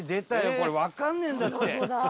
これ、わかんねえんだって。